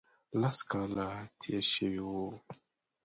لس کاله تېر شوي وو.